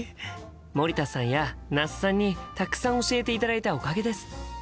森田さんや那須さんにたくさん教えていただいたおかげです。